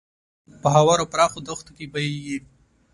په هوارو پراخو دښتو کې بهیږي.